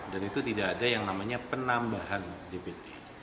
dan itu tidak ada yang namanya penambahan dpt